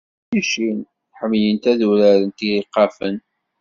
Tiqcicin ḥemmlent ad urarent ilqafen.